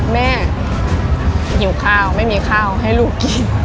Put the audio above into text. หิวข้าวไม่มีข้าวให้ลูกกิน